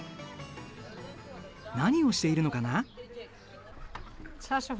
何をしているのかな。